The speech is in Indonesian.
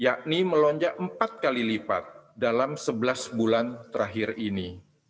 yakni melonjak empat kali lipat dalam sebelas bulan terakhir ini